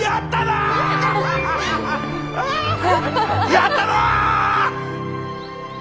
やったぞ！